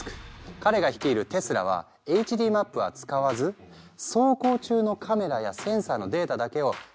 彼が率いるテスラはＨＤマップは使わず走行中のカメラやセンサーのデータだけを車内のＡＩが解析。